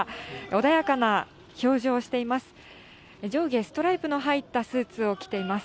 穏やかな表情をしています。